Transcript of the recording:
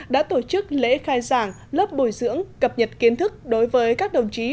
đã tổ chức lễ khai giảng lớp bồi dưỡng cập nhật kiến thức đối với các đồng chí